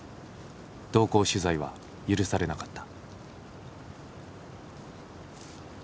同行取材は許されなかった。